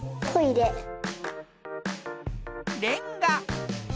レンガ。